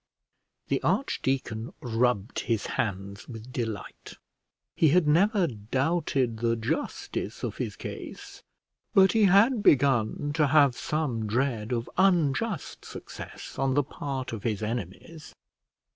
The archdeacon rubbed his hands with delight; he had never doubted the justice of his case, but he had begun to have some dread of unjust success on the part of his enemies.